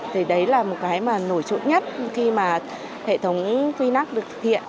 thì đấy là một cái mà nổi trộn nhất khi mà hệ thống vinac được thực hiện